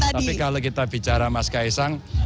tapi kalau kita bicara mas kaisang